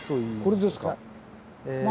これですか。